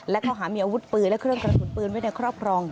และข้อหามีอาวุธปืนและเครื่องกระสุนปืนไว้ในครอบครอง